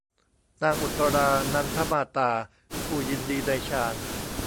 นางอุตตรา นันทมาตา ผู้ยินดีในฌาน